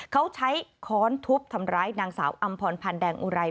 เขาใช้ค้อนทุบทำร้ายนางสาวอำพรพันธ์แดงอุไร